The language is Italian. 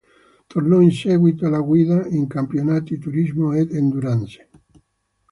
Tornò in seguito alla guida in campionati Turismo ed Endurance.